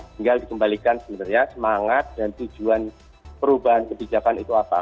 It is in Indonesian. tinggal dikembalikan sebenarnya semangat dan tujuan perubahan kebijakan itu apa